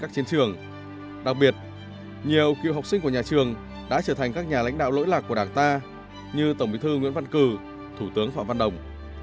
cho các nhà lãnh đạo lỗi lạc của đảng ta như tổng bí thư nguyễn văn cử thủ tướng phạm văn đồng